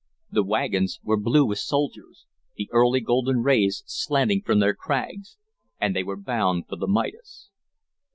The wagons were blue with soldiers, the early golden rays slanting from their Krags, and they were bound for the Midas.